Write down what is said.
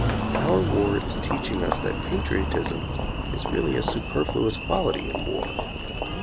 Our war is teaching us that patriotism is really a superfluous quality in war.